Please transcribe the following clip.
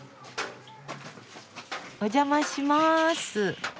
お邪魔します。